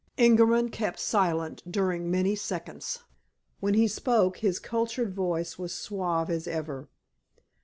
Ingerman kept silent during many seconds. When he spoke, his cultured voice was suave as ever.